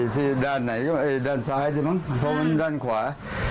ที่ด้านไหนก็ไอ้ด้านซ้ายใช่ไหมเพราะมันด้านขวา